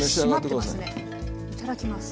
いただきます。